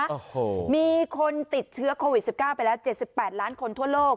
โอ้โหมีคนติดเชื้อโควิดสิบเก้าไปแล้วเจ็ดสิบแปดล้านคนทั่วโลก